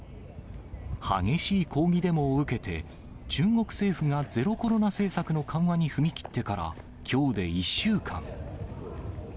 激しい抗議デモを受けて、中国政府がゼロコロナ政策の緩和に踏み切ってから、きょうで１週間。